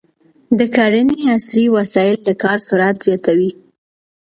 د کرنې عصري وسایل د کار سرعت زیاتوي.